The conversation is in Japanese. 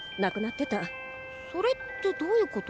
それってどういうこと？